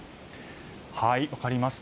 分かりました。